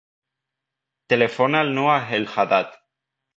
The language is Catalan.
Telefona al Noah El Haddad.